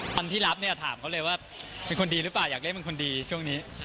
คนที่รับเนี่ยถามเขาเลยว่าเป็นคนดีหรือเปล่าอยากเล่นเป็นคนดีช่วงนี้